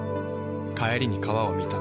帰りに川を見た。